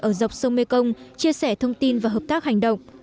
ở dọc sông mê công chia sẻ thông tin và hợp tác hành động